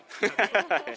ハハハハ！